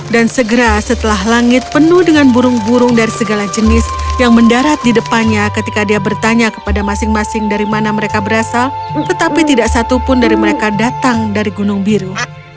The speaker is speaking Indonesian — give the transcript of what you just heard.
dan segera setelah langit penuh dengan burung burung dari segala jenis yang mendarat di depannya ketika dia bertanya kepada masing masing dari mana mereka berasal tetapi tidak satu pun dari mereka datang dari gunung biru